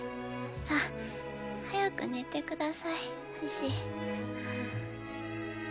さ早く寝て下さいフシ。